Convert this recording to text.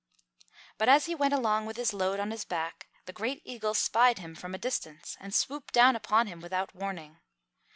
But as he went along with his load on his back the Great Eagle spied him from a distance and swooped down upon him without warning.